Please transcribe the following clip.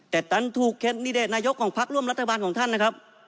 แต่ตันถูกแคนดิเดตนายกของพักร่วมรัฐบาลของท่านนะครับ